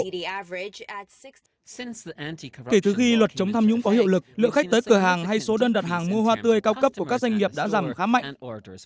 kể từ khi luật chống tham nhũng có hiệu lực lượng khách tới cửa hàng hay số đơn đặt hàng mua hoa tươi cao cấp của các doanh nghiệp đã giảm khá mạnh